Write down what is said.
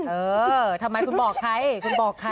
เออทำไมคุณบอกใคร